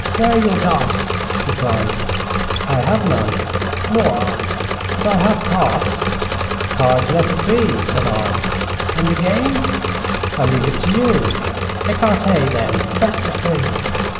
'Where are your dice?' he cried. 'I have none.' 'Nor I. But I have cards.' 'Cards let it be,' said I. 'And the game?' 'I leave it to you.' 'Écarté, then the best of three.'